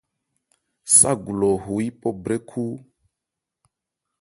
Ságu lɔ ho yípɔ brɛ́khó.